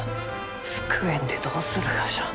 救えんでどうするがじゃ？